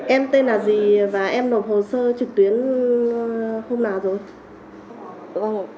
em tên là gì và em nộp hồ sơ trực tuyến hôm nào rồi